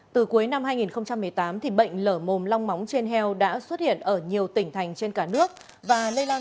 từ cuối năm hai nghìn một mươi tám bệnh lở mồm long móng trên heo đã xuất hiện ở nhiều tỉnh thành trên cả nước và lây lan